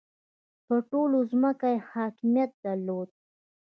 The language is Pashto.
پر ټوله ځمکه یې حاکمیت درلود.